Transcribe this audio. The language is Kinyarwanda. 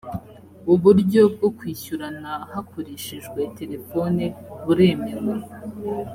uburyo bwo kwishyurana hakoreshejwe telephone buremewe